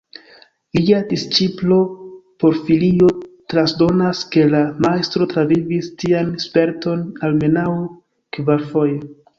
Lia disĉiplo Porfirio transdonas ke la majstro travivis tian sperton almenaŭ kvarfoje.